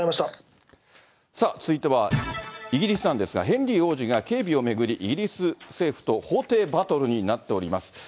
さあ、続いてはイギリスなんですが、ヘンリー王子が、警備を巡り、イギリス政府と法廷バトルになっております。